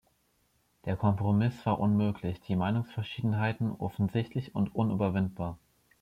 Der Kompromiss war unmöglich, die Meinungsverschiedenheiten offensichtlich und unüberwindbar.